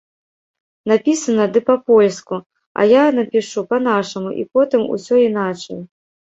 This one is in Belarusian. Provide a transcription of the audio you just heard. Напісана, ды па-польску, а я напішу па-нашаму і потым усё іначай.